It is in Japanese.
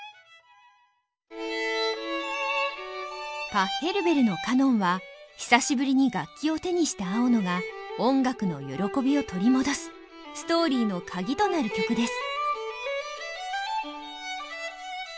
パッヘルベルの「カノン」は久しぶりに楽器を手にした青野が音楽の喜びを取り戻すストーリーの鍵となる曲です。